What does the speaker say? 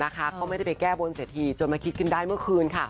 ก็ไม่ได้ไปแก้บนเศรษฐีจนมาคิดขึ้นได้เมื่อคืน